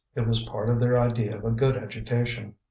It was part of their idea of a good education.